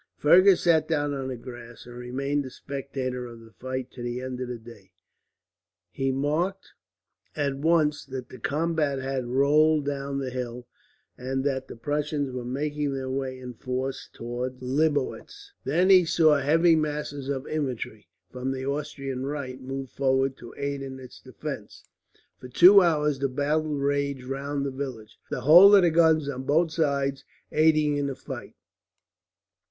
Fergus sat down on the grass, and remained a spectator of the fight to the end of the day. He marked at once that the combat had rolled down the hill, and that the Prussians were making their way in force towards Lobositz. Then he saw heavy masses of infantry, from the Austrian right, move forward to aid in its defence. For two hours the battle raged round the village, the whole of the guns on both sides aiding in the fight.